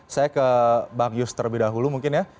saya ke bang yus terlebih dahulu mungkin ya